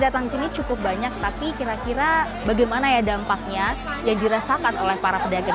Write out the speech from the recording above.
datang ke sini cukup banyak tapi kira kira bagaimana ya dampaknya yang dirasakan oleh para pedagang